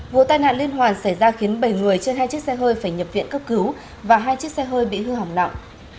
vụ tai nạn liên hoàn xảy ra khiến bảy người trên hai chiếc xe hơi phải nhập viện cấp cứu và hai chiếc xe hơi bị hư hỏng nặng